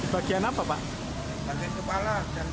bagian apa pak